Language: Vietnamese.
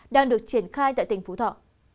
đang được triển khai tại tỉnh phú thọ